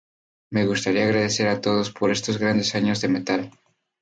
Me gustaría agradecer a todos por estos grandes años de metal.".